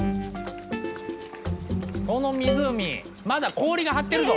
その湖まだ氷が張ってるぞ！